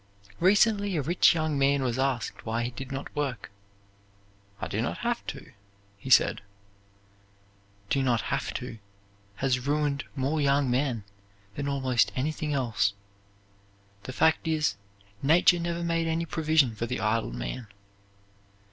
Recently a rich young man was asked why he did not work. "I do not have to," he said. "Do not have to" has ruined more young men than almost anything else. The fact is, Nature never made any provision for the idle man.